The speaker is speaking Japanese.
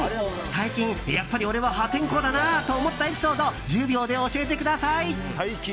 最近やっぱり俺は破天荒だなと思ったエピソード１０秒で教えてください。